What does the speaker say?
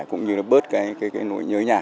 cũng như bớt cái nỗi nhớ nhà